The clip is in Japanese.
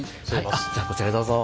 あっじゃあこちらへどうぞ。